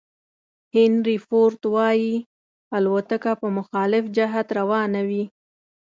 هینري فورد وایي الوتکه په مخالف جهت روانه وي.